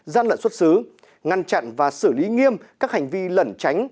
gian lận xuất xứ ngăn chặn và xử lý nghiêm các hành vi lẩn tránh